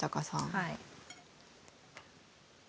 はい。